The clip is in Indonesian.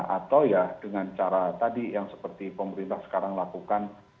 atau ya dengan cara tadi yang seperti pemerintah sekarang lakukan